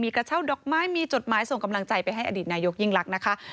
กระเช่าดอกไม้มีจดหมายส่งกำลังใจไปให้อดีตนายกยิ่งลักษณ์นะคะ